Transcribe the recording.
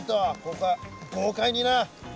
ここは豪快にな！